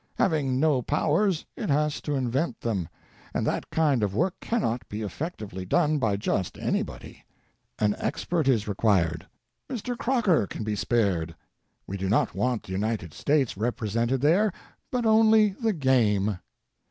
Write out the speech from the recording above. Having no powers, it has to invent them, and that kind of work cannot be effectively done by just anybody; an expert is required. Mr. Croker can be spared. We do not want the United States repre sented there, but only the Game.